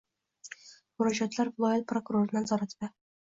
Murojaatlar viloyat prokurori nazoratidang